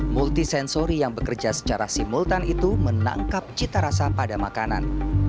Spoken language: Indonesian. multisensori yang bekerja secara simultan itu menangkap cita rasa pada makanan